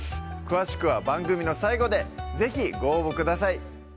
詳しくは番組の最後で是非ご応募ください